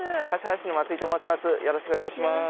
橿原市の松井と申します。